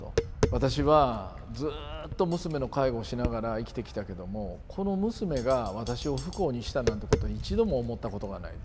私はずっと娘の介護をしながら生きてきたけどもこの娘が私を不幸にしたなんてことは一度も思ったことがない。